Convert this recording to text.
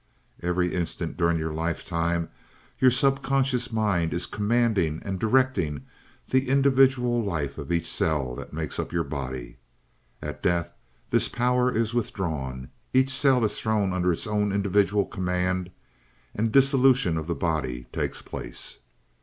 Every instant during your lifetime your subconscious mind is commanding and directing the individual life of each cell that makes up your body. At death this power is withdrawn; each cell is thrown under its own individual command, and dissolution of the body takes place.